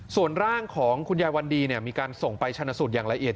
ส่วนร่างของคุณยายวันดีมีการส่งไปชนะสูตรอย่างละเอียด